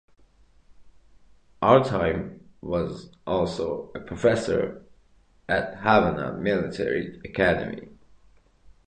Artime was also a professor at the Havana Military Academy.